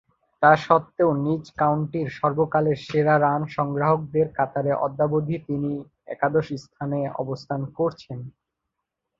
তাসত্ত্বেও নিজ কাউন্টির সর্বকালের সেরা রান সংগ্রাহকদের কাতারে অদ্যাবধি তিনি একাদশ স্থানে অবস্থান করছেন।